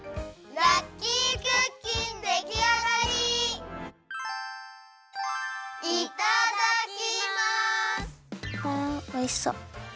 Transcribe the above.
わあおいしそう。